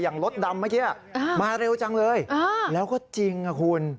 อย่างรถดำไหมมาเร็วจังเลยแล้วก็จริงคุณ